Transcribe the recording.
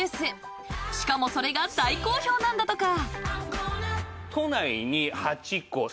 ［しかもそれが大好評なんだとか］